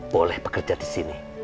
boleh bekerja di sini